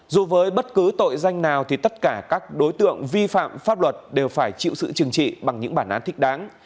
dù với bất cứ tội danh nào thì tất cả các đối tượng vi phạm pháp luật đều phải chịu sự chừng trị bằng những bản án thích đáng